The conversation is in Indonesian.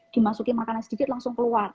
dimasuki makanan sedikit langsung keluar